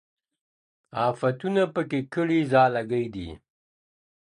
آفتونو پكښي كړي ځالګۍ دي.